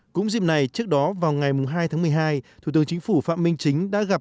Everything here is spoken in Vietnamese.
cũng dịp này trước đó vào ngày hai tháng một mươi hai thủ tướng chính phủ phạm minh chính đã gặp